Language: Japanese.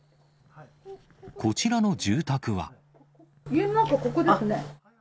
こちらの住宅は。